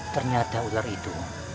ternyata ular itu